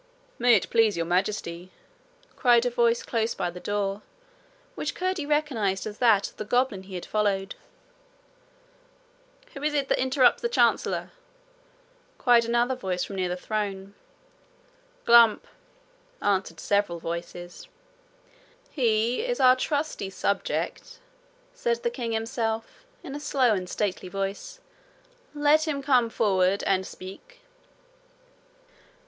'May it please Your Majesty ' cried a voice close by the door, which Curdie recognized as that of the goblin he had followed. 'Who is he that interrupts the Chancellor?' cried another from near the throne. 'Glump,' answered several voices. 'He is our trusty subject,' said the king himself, in a slow and stately voice: 'let him come forward and speak.'